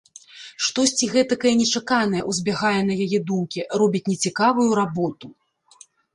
Штосьці гэтакае нечаканае ўзбягае на яе думкі, робіць нецікавую работу.